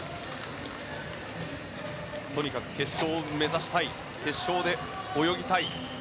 とにかく決勝を目指したい決勝で泳ぎたい。